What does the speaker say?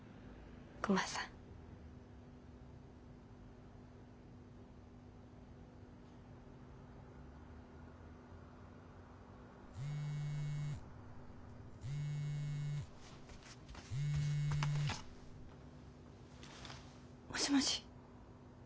クマさん。もしもし。